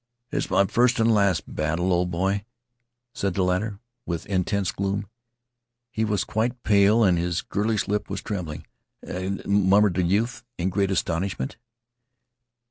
"It's my first and last battle, old boy," said the latter, with intense gloom. He was quite pale and his girlish lip was trembling. "Eh?" murmured the youth in great astonishment.